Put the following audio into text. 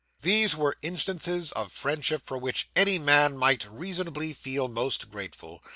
These were instances of friendship for which any man might reasonably feel most grateful.